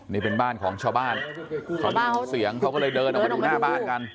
นี่เป็นบ้านของชาวบ้านเขาได้ยินเสียงเขาก็เลยเดินออกมาดูหน้าบ้านกัน